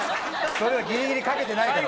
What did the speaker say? それはギリギリかけてないから。